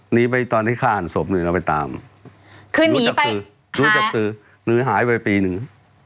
หนีไปตอนที่ฆ่าหันศพหนึ่งแล้วไปตามรู้จับสือหนีหายไปปีหนึ่ง